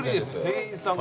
店員さん。